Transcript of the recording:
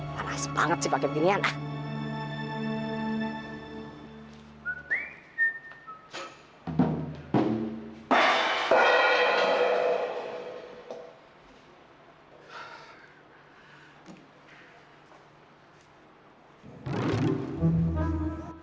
panas banget sih pake beginian ah